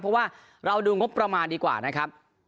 เพราะว่าเราดูงบประมาณดีกว่านะครับ